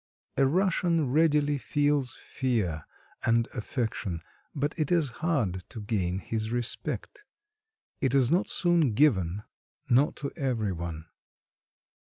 A Russian readily feels fear, and affection; but it is hard to gain his respect: it is not soon given, nor to every one.